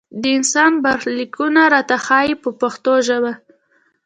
د انسان برخلیکونه راته ښيي په پښتو ژبه.